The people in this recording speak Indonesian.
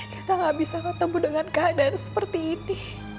kita gak bisa ketemu dengan keadaan seperti ini